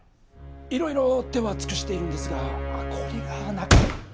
いろいろ手は尽くしているんですがこれがなかなか。